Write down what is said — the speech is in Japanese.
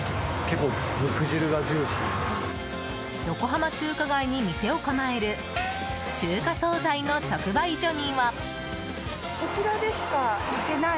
横浜中華街に店を構える中華総菜の直売所には。